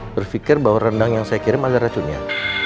berfikir bahwa rendang yang saya kirim ada racunnya